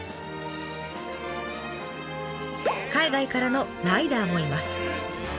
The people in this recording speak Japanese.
海外からのライダーもいます。